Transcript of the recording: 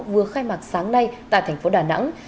vừa khai mạc sáng nay tại thành phố đà nẵng